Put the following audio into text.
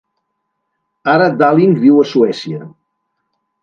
Ara Dahlin viu a Suècia.